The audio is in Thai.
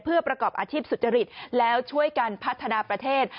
เพื่อประกอบอาชีพสุจริตแล้วช่วยกันพัฒนาประเทศ